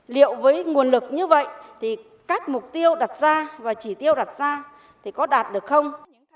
liệu với nguồn lực như vậy thì các mục tiêu đặt ra và chỉ tiêu đặt ra thì có đạt được không